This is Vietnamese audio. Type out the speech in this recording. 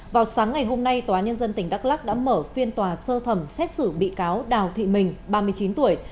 vào sáng ngày hôm nay tòa nhân dân tỉnh đắk lắc đã mở phiên tòa sơ thẩm xét xử bị cáo đào thị mình ba mươi chín tuổi